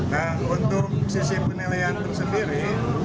nah untuk sisi penilaian tersendiri